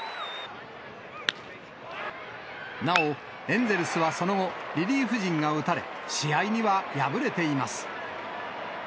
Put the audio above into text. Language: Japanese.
なお、エンゼルスはその後、リリーフ陣が打たれ、試合には敗れています。